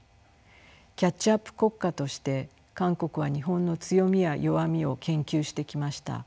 キャッチアップ国家として韓国は日本の強みや弱みを研究してきました。